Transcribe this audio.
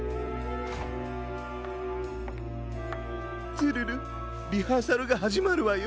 ツルルリハーサルがはじまるわよ。